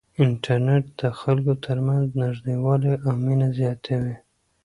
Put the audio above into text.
انټرنیټ د خلکو ترمنځ نږدېوالی او مینه زیاتوي.